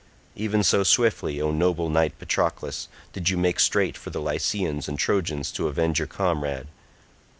Even so swiftly, O noble knight Patroclus, did you make straight for the Lycians and Trojans to avenge your comrade.